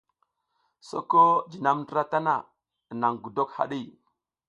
Soko jinam ndra tana naƞ gudok haɗi.